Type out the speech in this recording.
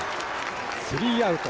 スリーアウト。